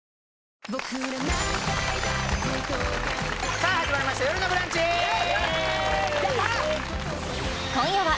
さあ始まりました「よるのブランチ」イェイやった！